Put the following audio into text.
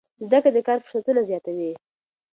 زده کړه د کار فرصتونه زیاتوي.